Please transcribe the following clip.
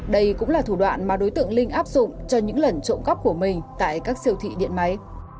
đây cũng là thủ đoạn mà đối tượng linh áp dụng cho những lần trộm cắp của mình tại các siêu thị điện máy